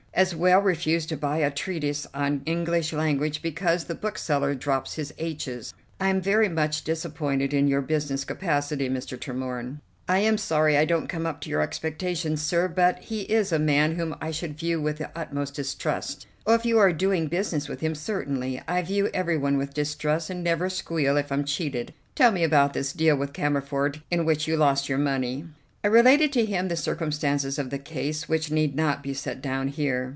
As well refuse to buy a treatise on the English language because the bookseller drops his 'h's.' I am very much disappointed in your business capacity, Mr. Tremorne." "I am sorry I don't come up to your expectations, sir; but he is a man whom I should view with the utmost distrust." "Oh, if you are doing business with him, certainly. I view everyone with distrust and never squeal if I'm cheated. Tell me about this deal with Cammerford in which you lost your money." I related to him the circumstances of the case, which need not be set down here.